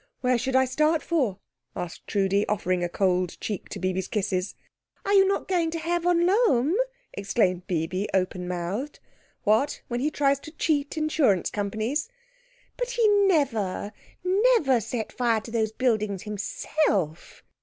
"Where should I start for?" asked Trudi, offering a cold cheek to Bibi's kisses. "Are you not going to Herr von Lohm?" exclaimed Bibi, open mouthed. "What, when he tries to cheat insurance companies?" "But he never, never set fire to those buildings himself."